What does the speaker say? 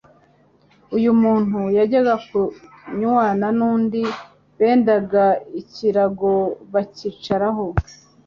Iyo umuntu yajyaga kunywana n’undi bendaga ikirago bakicaraho,